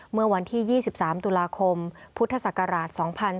เมื่อวันที่๒๓ตุลาคมพุทธศักราช๒๔